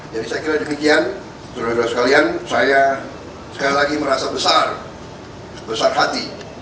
saya kira demikian saudara saudara sekalian saya sekali lagi merasa besar besar hati